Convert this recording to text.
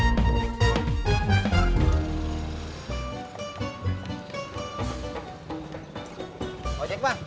mau cek mah